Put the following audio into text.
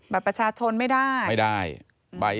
บัตรประชาชนไม่ได้